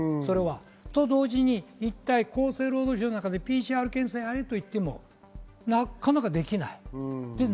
と同時に一体、厚生労働省の中でＰＣＲ検査をやれといっても、なかなかできない。